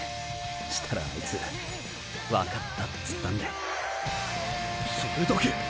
したらあいつ「分かった」っつったんで。それだけ。